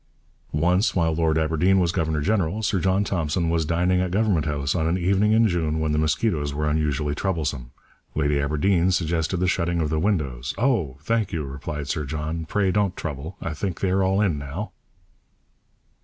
Once, while Lord Aberdeen was governor general, Sir John Thompson was dining at Government House on an evening in June when the mosquitoes were unusually troublesome. Lady Aberdeen suggested the shutting of the windows. 'Oh! thank you,' replied Sir John, 'pray don't trouble; I think they are all in now!'